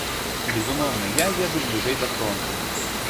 Безумоўна, я еду бліжэй да фронту.